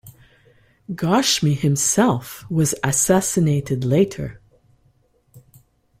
Ghashmi himself was assassinated later.